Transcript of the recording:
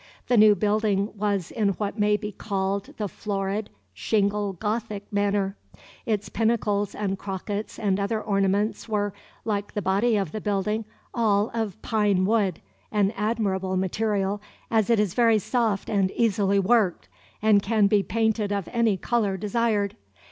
The new building was in what may be called the florid shingle Gothic manner. Its pinnacles and crockets and other ornaments were, like the body of the building, all of pine wood, an admirable material, as it is very soft and easily worked, and can be painted of any color desired.